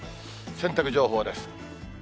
洗濯情報です。